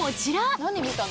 何見たの？